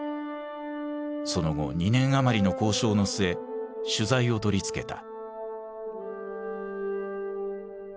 その後２年余りの交渉の末取材を取り付けた。